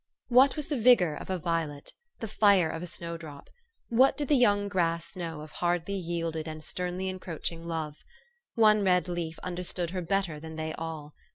What was the vigor of a violet ? the fire of a snow drop ? What did the young grass know of hardly yielded and sternly encroaching love ? One red leaf understood her better than they all.